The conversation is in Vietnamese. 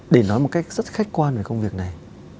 để nói một cách rất khách quan về công việc này